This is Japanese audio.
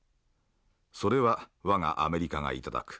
それは我がアメリカが頂く。